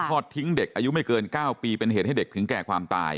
ทอดทิ้งเด็กอายุไม่เกิน๙ปีเป็นเหตุให้เด็กถึงแก่ความตาย